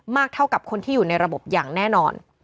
เท่ากับคนที่อยู่ในระบบอย่างแน่นอน